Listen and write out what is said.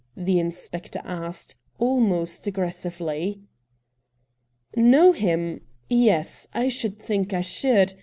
the inspector asked, almost aggressively. 'Know him — yes — I should think I should